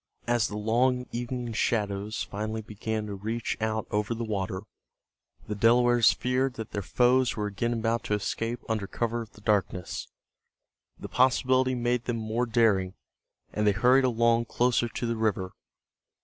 As the long evening shadows finally began to reach out over the water, the Delawares feared that their foes were again about to escape under cover of the darkness. The possibility made them more daring, and they hurried along closer to the river.